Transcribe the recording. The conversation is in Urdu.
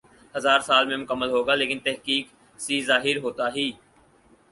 ہزا ر سال میں مکمل ہوگا لیکن تحقیق سی ظاہر ہوتا ہی